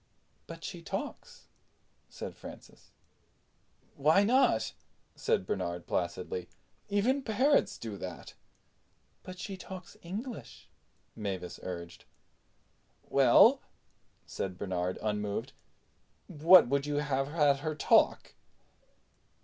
"But she talks," said Francis. "Why not?" said Bernard placidly. "Even parrots do that." "But she talks English," Mavis urged. "Well," said Bernard, unmoved, "what would you have had her talk?"